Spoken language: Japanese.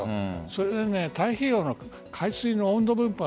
それだけ太平洋の海水の温度分布